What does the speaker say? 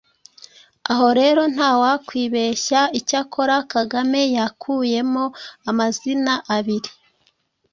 Aho rero ntawakwibeshya. Icyakora Kagame yakuyemo amazina abiri,